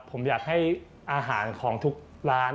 ผมอยากให้อาหารของทุกร้าน